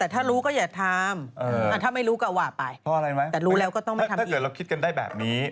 แต่รู้แล้วก็ต้องแบบที